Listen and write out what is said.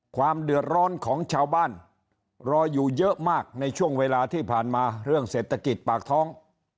ความเดือดร้อนของชาวบ้านรออยู่เยอะมากในช่วงเวลาที่ผ่านมาเรื่องเศรษฐกิจปากท้อง